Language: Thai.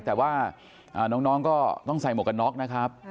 แต่ว่าน้องก็ต้องใส่หมวกกันน็อกนะครับ